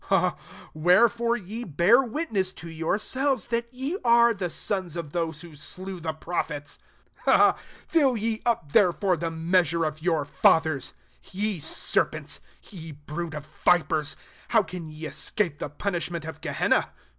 31 Wherefore ye bear witness to yourselves, that ye are the sons t)f those who slew the prophets. S2 Fill ye up therefore the mea sure of your fathers. 33 Ye ser )ents! ye brood of vipers! how :anye escape the punishment of Uehenna?